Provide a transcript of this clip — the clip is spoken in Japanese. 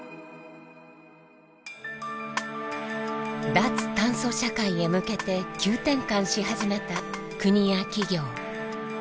脱炭素社会へ向けて急転換し始めた国や企業。